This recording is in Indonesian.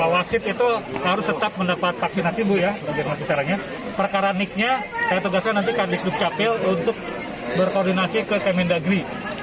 wasit itu harus tetap mendapat vaksinasi perkaraniknya saya tugaskan nanti kandikduk kapil untuk berkoordinasi ke kementerian negeri